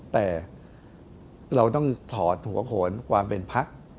แต่เราต้องถอดหัวโขนความเป็นพัก